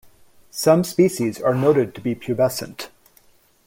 Some species are noted to be pubescent.